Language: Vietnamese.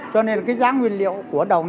cho nên là cái giá nguyên liệu của đầu năm